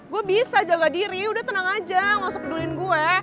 gue bisa jaga diri udah tenang aja gak usah peduliin gue